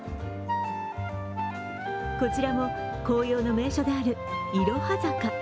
こちらも紅葉の名所であるいろは坂。